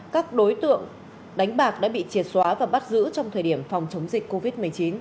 các đối tượng đánh bạc đã bị triệt xóa và bắt giữ trong thời điểm phòng chống dịch covid một mươi chín